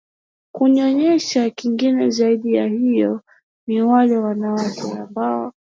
kunyonyesha kingine zaidi ya hiyo ni wale wanawake ambao